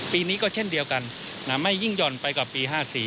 ปีนี้ก็เช่นเดียวกันไม่ยิ่งหย่อนไปกว่าปี๕๔